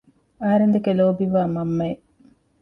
އަހަރެން ދެކެ ލޯބިވާ މަންމައެއް